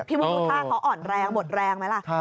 พี่บุธ่าเขาอ่อนแรงบดแรงไหมล่ะ